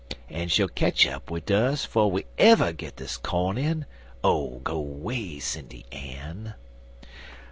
En she'll ketch up wid dus 'fo' we ever git dis corn in (Oh, go 'way, Sindy Ann!)